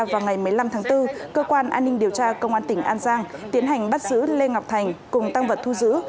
vào ngày một mươi năm tháng bốn cơ quan an ninh điều tra công an tỉnh an giang tiến hành bắt giữ lê ngọc thành cùng tăng vật thu giữ